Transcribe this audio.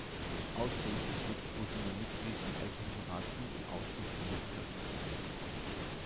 Außerdem ist Schmitt-Bussinger Mitglied im Ältestenrat und im Ausschuss für Wissenschaft und Kunst.